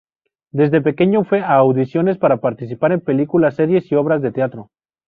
Desde pequeño fue a audiciones para participar en películas, series y obras de teatro.